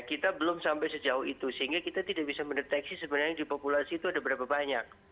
kita belum sampai sejauh itu sehingga kita tidak bisa mendeteksi sebenarnya di populasi itu ada berapa banyak